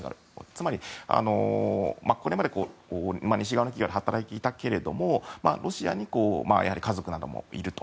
つまり、これまで西側の企業で働いていたけれどもロシアに家族などもいると。